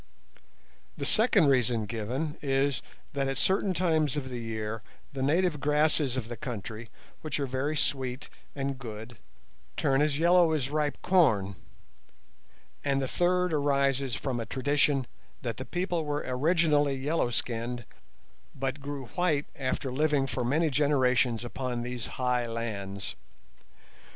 The second reason given is, that at certain times of the year the native grasses of the country, which are very sweet and good, turn as yellow as ripe corn; and the third arises from a tradition that the people were originally yellow skinned, but grew white after living for many generations upon these high lands.